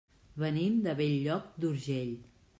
Venim de Bell-lloc d'Urgell.